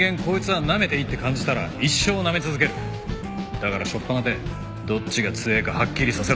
だから初っぱなでどっちが強えかはっきりさせろ。